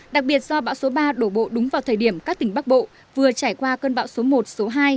đặc biệt do bão số ba đổ bộ đúng vào thời điểm các tỉnh bắc bộ vừa trải qua cơn bão số một số hai